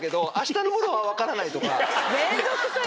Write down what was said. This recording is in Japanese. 面倒くさいね。